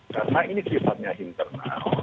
karena ini sifatnya internal